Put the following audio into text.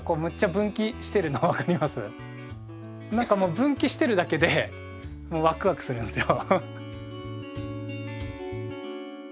何かもう分岐してるだけでもうワクワクするんですよ。